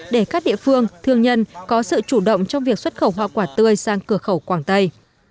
để các địa phương thương nhân có sự chủ động trong việc xuất khẩu hoa quả tươi sang cửa khẩu quảng tây